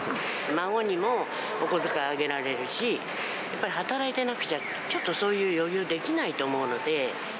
孫にもお小遣いあげられるし、やっぱり働いてなくちゃ、ちょっとそういう余裕できないと思うので。